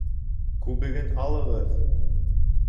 Күбеген алығыҙ